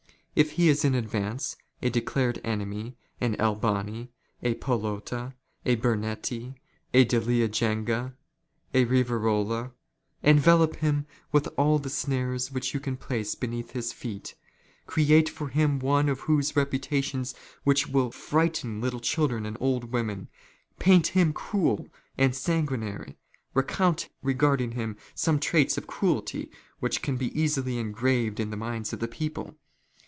If he is '' in advance, a declared enemy, an Albani, a Fallotta. a Bernetti, " a Delia Genga, a Riverola? Envelope him in all the snares " which you can place beneath his feet ; create for him one of those " reputations which will frighten little children and old women ; "paint him cruel and sanguinary ; recount, regarding him, some '' traits of cruelty which can be easily engraved in the minds of " the people.